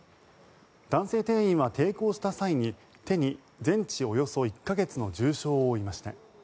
男性店員は抵抗した際に手に全治およそ１か月の重傷を負いました。